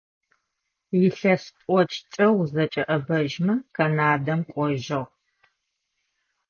Илъэс тIокIкIэ узэкIэIэбэжьмэ Канадэм кIожьыгъ.